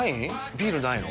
ビールないの？